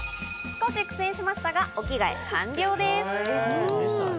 少し苦戦しましたが、お着替え完了です。